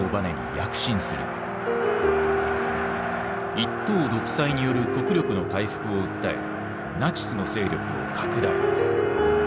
一党独裁による国力の回復を訴えナチスの勢力を拡大。